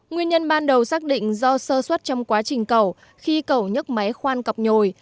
nguyên nhân ban đầu xác định do sơ suất trong quá trình cầu khi cầu nhấc máy khoan cọp nhồi